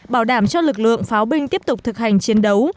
bảo đảm cho lực lượng pháo binh tiếp tục thực hành chiến đấu